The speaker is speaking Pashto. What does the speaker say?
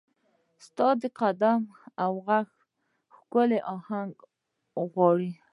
ستا د قدم او ږغ، ښکلې اهنګ غواړي